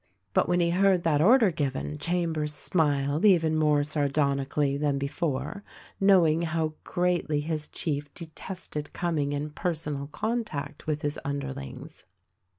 But when he heard that order given Chambers smiled even more sardonically than before — knowing how greatly his chief detested coming in personal contact with his under lings.